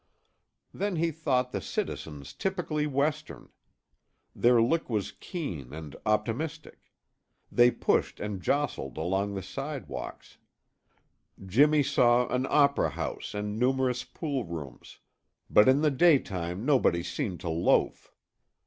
Then he thought the citizens typically Western. Their look was keen and optimistic; they pushed and jostled along the sidewalks. Jimmy saw an opera house and numerous pool rooms, but in the daytime nobody seemed to loaf.